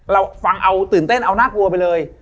เราฟังเอาตื่นเต้นเอาน่ากลัวไปเลย